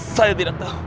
saya tidak tahu